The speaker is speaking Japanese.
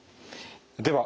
では